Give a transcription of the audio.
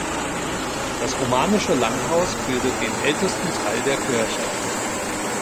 Das romanische Langhaus bildet den ältesten Teil der Kirche.